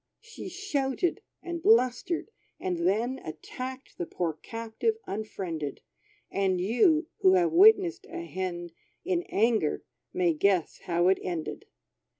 She shouted, and blustered; and then Attacked the poor captive unfriended; And you, (who have witnessed a hen In anger,) may guess how it ended.